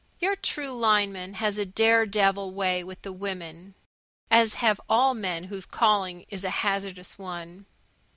Your true lineman has a daredevil way with the women, as have all men whose calling is a hazardous one.